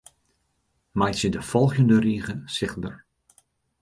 Meitsje de folgjende rige sichtber.